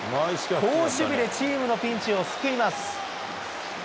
好守備でチームのピンチを救います。